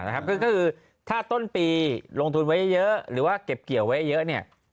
ก็คือถ้าต้นปีลงทุนไว้เยอะหรือว่าเก็บเกี่ยวไว้เยอะเนี่ย